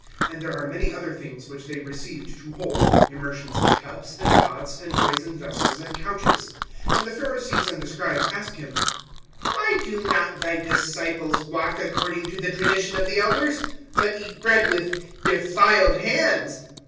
And there are many other things which they received to hold, immersions of cups, and pots, and brazen vessels, and couches. (5)And the Pharisees and the scribes ask him: Why do not thy disciples walk according to the tradition of the elders, but eat bread with defiled hands?